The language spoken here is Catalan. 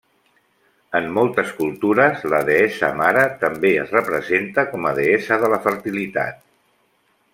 En moltes cultures la deessa mare també es representa com a deessa de la fertilitat.